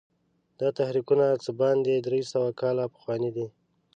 دا تحریکونه څه باندې درې سوه کاله پخواني دي.